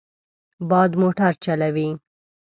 باد موټر چلوي.